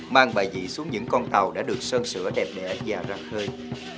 mang bài dị xuống những con tàu đã được sơn sữa đẹp đẽ và răng khơi